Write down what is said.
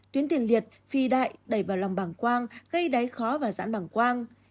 tuyến tiền liệt phi đại đẩy vào lòng bảng quang gây đáy khó và dãn bằng quang